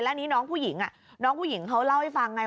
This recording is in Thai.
อันนี้น้องผู้หญิงน้องผู้หญิงเขาเล่าให้ฟังไง